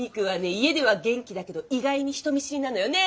家では元気だけど意外に人見知りなのよ。ねぇ。